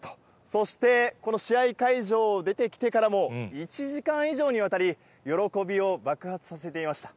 そしてこの試合会場を出てきてからも、１時間以上にわたり、喜びを爆発させていました。